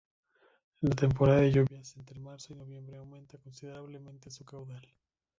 En la temporada de lluvias, entre marzo y noviembre aumenta considerablemente su caudal.